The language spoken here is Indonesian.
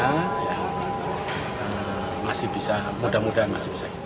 yang masih bisa mudah mudahan masih bisa